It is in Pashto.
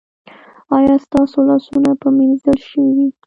ایا ستاسو لاسونه به مینځل شوي وي؟